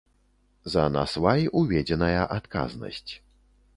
За насвай уведзеная адказнасць.